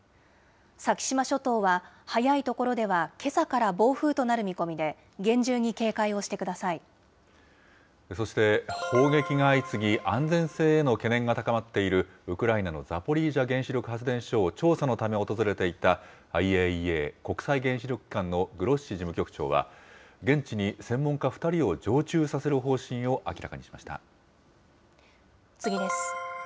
先島諸島は早い所ではけさから暴風となる見込みで、厳重に警戒をそして、砲撃が相次ぎ、安全性への懸念が高まっているウクライナのザポリージャ原子力発電所を調査のため訪れていた、ＩＡＥＡ・国際原子力機関のグロッシ事務局長は、現地に専門家２人を常駐させる方針を明らかにしま次です。